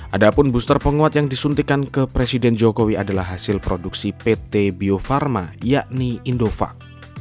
adapun booster penguat yang disuntikan ke presiden jokowi adalah hasil produksi pt bio farma yakni indovac